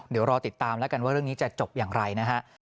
เดี๋ยวรอติดตามแล้วกันว่าเรื่องนี้จะจบอย่างไรนะฮะ